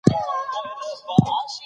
مېلې د اولس د فکري بیدارۍ انعکاس کوي.